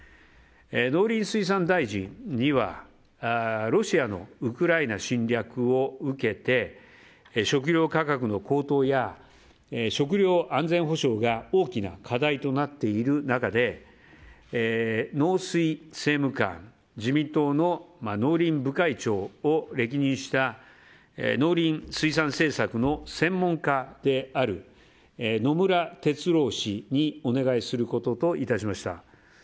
農林水産大臣にはロシアのウクライナ侵略を受けて食糧価格の高騰や食糧安全保障が大きな課題となっている中で農水政務官自民党の農林部会長を歴任した農林水産政策の専門家である野村哲郎氏にお願いすることといたしました。